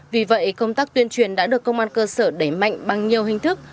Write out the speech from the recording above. vì vậy công tác tuyên truyền đã được công an cơ sở đẩy mạnh bằng nhiều hình thức